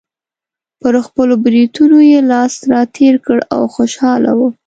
پر خپلو برېتونو یې لاس راتېر کړ او خوشحاله و.